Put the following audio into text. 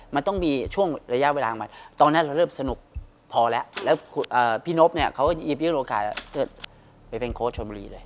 มันต้องมีช่วงระยะเวลามาตอนนั้นเราเริ่มสนุกพอแล้วแล้วพี่นโป๊ปเนี่ยเขาก็หยิบอย่างบ่งโอกาสไปเป็นโคชส์ชมบุรีด้วย